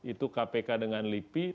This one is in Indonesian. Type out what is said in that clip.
itu kpk dengan lipi